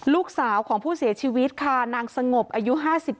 ลูกสาวของผู้เสียชีวิตค่ะนางสงบอายุ๕๓